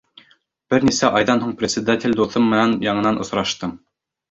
Бер нисә айҙан һуң председатель дуҫым менән яңынан осраштым.